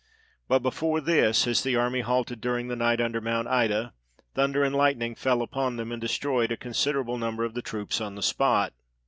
But before this, as the army halted dur ing the night under Mount Ida, thunder and lightning fell upon them, and destroyed a considerable number of the troops on the spot.